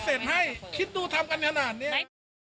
คุณเก็บทุกอาชีพ